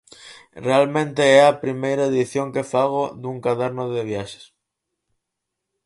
Realmente é a primeira edición que fago dun caderno de viaxes.